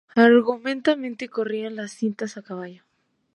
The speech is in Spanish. Antiguamente corrían las cintas a caballo.